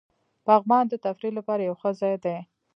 پغمان د تفریح لپاره یو ښه ځای دی.